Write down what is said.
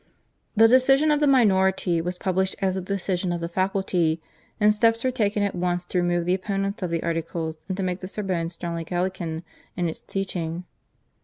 The decision of the minority was published as the decision of the faculty, and steps were taken at once to remove the opponents of the articles, and to make the Sorbonne strongly Gallican in its teaching.